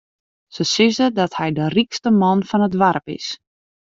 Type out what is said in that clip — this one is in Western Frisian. Se sizze dat hy de rykste man fan it doarp is.